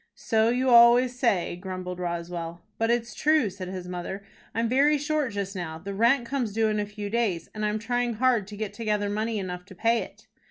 "So you always say," grumbled Roswell. "But it's true," said his mother. "I'm very short just now. The rent comes due in a few days, and I am trying hard to get together money enough to pay it."